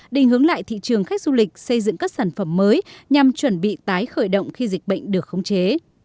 đình hướng lại thị trường khách du lịch xây dựng các sản phẩm mới nhằm chuẩn bị tái khởi động khi dịch bệnh được khống chế